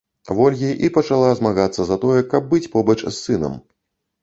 Вольгі і распачала змагацца за тое, каб быць побач з сынам.